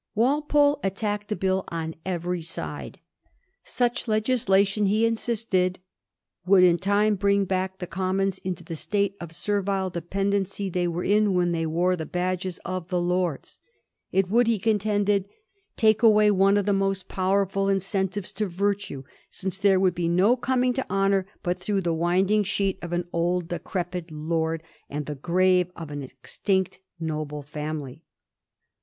Walpole attacked the Bill on every side. Such legislation, he insisted, ' would in time bring back the Commons into the state of servile dependency they were in when they wore the badges of the Lords.' It would, he contended, take away * one of the most powerful incentives to virtue, ... since there would be no coming to honour but through the winding sheet of an old decrepit lord and the grave of an extinct noble family.'